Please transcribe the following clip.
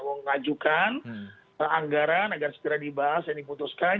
ya oke baik pak ilham ada tanggapan pak apa yang tadi disampaikan oleh kang saan